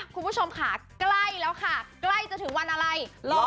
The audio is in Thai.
คุณผู้ชมค่ะใกล้แล้วค่ะใกล้จะถึงวันอะไร